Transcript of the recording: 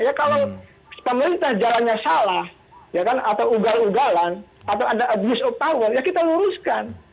ya kalau pemerintah jalannya salah ya kan atau ugal ugalan atau ada abuse of power ya kita luruskan